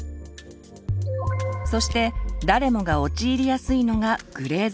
そして誰もが陥りやすいのがグレーゾーンです。